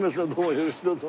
よろしくどうぞ。